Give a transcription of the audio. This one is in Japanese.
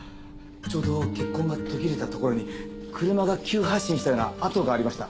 ちょうど血痕が途切れたところに車が急発進したような跡がありました。